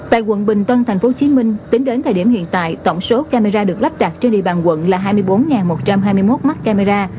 tại quận bình tân tp hcm tính đến thời điểm hiện tại tổng số camera được lắp đặt trên địa bàn quận là hai mươi bốn một trăm hai mươi một mắt camera